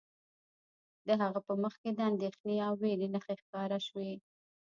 د هغه په مخ کې د اندیښنې او ویرې نښې ښکاره شوې